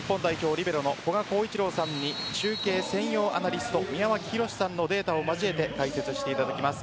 リベロの古賀幸一郎さんに中継専用アナリスト宮脇裕史さんのデータもまじえて解説していただきます。